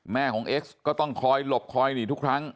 แม่ของเอ็กซ์ก็ต้องคอยหลบคอยหนีทุกครั้ง